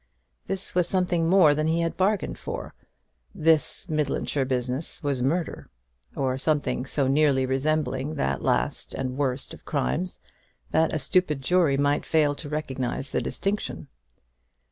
This was something more than he had bargained for. This Midlandshire business was murder, or something so nearly resembling that last and worst of crimes, that a stupid jury might fail to recognize the distinction.